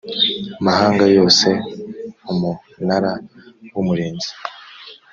mahanga yose umunara w umurinzi